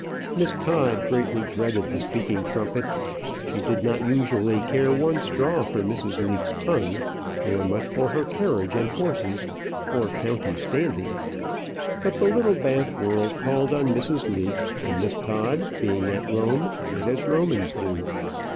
Miss Todd greatly dreaded the speaking trumpet; she did not usually care one straw for Mrs. Leake's tongue, nor much for her carriage and horses, or county standing; but the Littlebath world called on Mrs. Leake; and Miss Todd being at Rome did as Romans do.